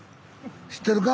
知ってるか？